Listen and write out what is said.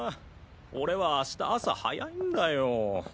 俺は明日朝早いんだよ。